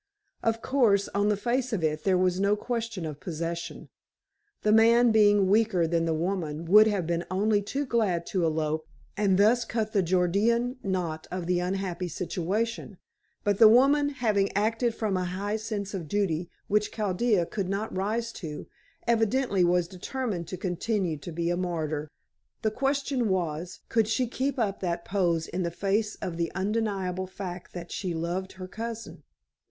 Of course, on the face of it, there was no question of possession. The man being weaker than the woman would have been only too glad to elope, and thus cut the Gordian knot of the unhappy situation. But the woman, having acted from a high sense of duty, which Chaldea could not rise to, evidently was determined to continue to be a martyr. The question was, could she keep up that pose in the face of the undeniable fact that she loved her cousin?